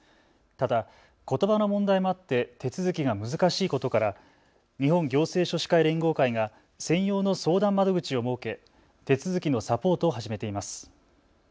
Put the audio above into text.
ただ、ことばの問題もあって手続きが難しいことから日本行政書士会連合会が専用の相談窓口を設け手続きのサポートを始めています。